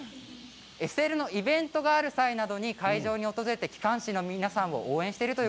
ＳＬのイベントがある際などに会場で訪れて機関士の皆さん応援しています。